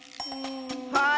はい！